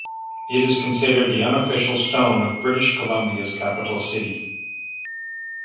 It is considered the unofficial stone of British Columbia's capital city.